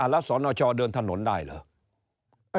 แล้วสนชเดินถนนได้เหรอ